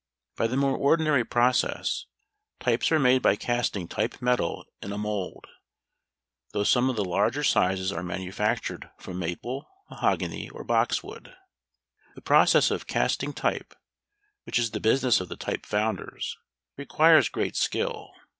By the more ordinary process, types are made by casting type metal in a mould, though some of the larger sizes are manufactured from maple, mahogany, or box wood. The process of casting type, which is the business of the type founders, requires great skill.